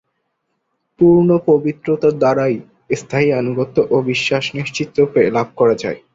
পূর্ণ পবিত্রতা দ্বারাই স্থায়ী আনুগত্য ও বিশ্বাস নিশ্চিতরূপে লাভ করা যায়।